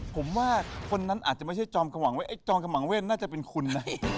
ผมว่าคนนั้นอาจจะไม่ใช่จอมขวังว่าไอ้จอมขมังเว่นน่าจะเป็นคุณนะ